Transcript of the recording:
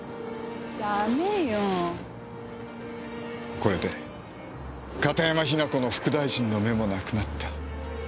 これで片山雛子の副大臣の目もなくなった。